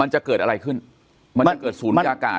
มันจะเกิดอะไรขึ้นมันจะเกิดศูนยากาศ